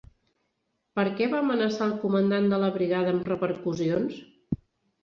Per què va amenaçar el comandant de la brigada amb repercussions?